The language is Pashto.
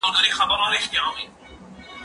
زه سپينکۍ نه پرېولم!.